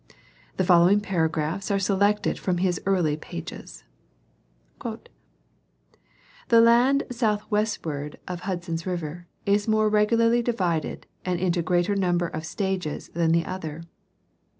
The following paragraphs are selected from his early pages :" The land south westward of Hudson's River is more regularly divided and into a greater number of stages than the other.